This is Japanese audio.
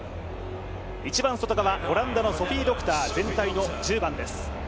一番外側、オランダのソフィ・ドクター、全体の１０番です。